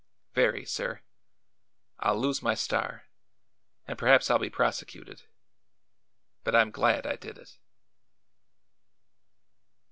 "Very, sir. I'll lose my star, and perhaps I'll be prosecuted. But I'm glad I did it."